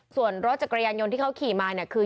ส่วนรถจักรยานยนต์ที่เขาขี่มาเนี่ยคือ